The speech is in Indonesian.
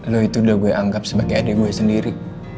lo itu udah gue anggap sebagai adik gue sendiri